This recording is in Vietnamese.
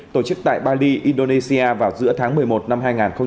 tổ chức tại bali indonesia vào giữa tháng một mươi một năm hai nghìn hai mươi